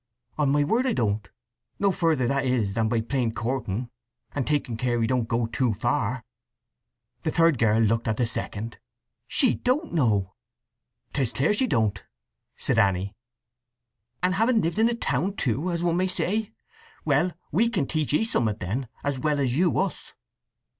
"On my word I don't!—No further, that is, than by plain courting, and taking care he don't go too far!" The third girl looked at the second. "She don't know!" "'Tis clear she don't!" said Anny. "And having lived in a town, too, as one may say! Well, we can teach 'ee som'at then, as well as you us."